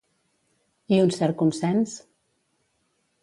I un cert consens?